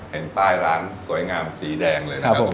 เห็นป้ายร้านสวยงามสีแดงเลยนะครับผม